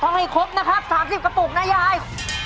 ให้ครบนะครับ๓๐กระปุกนะยาย